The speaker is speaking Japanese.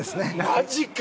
マジか！